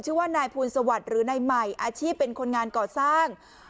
ชื่อว่านายภูลสวัสดิ์หรือนายใหม่อาชีพเป็นคนงานก่อสร้าง